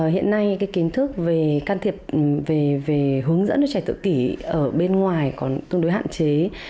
hiện nay cái kiến thức về can thiệp về hướng dẫn cho trẻ tự kỷ ở bên ngoài còn tương đối hạn chế